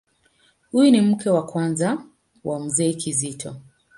Huyu ni mke wa kwanza wa Mzee Kizito.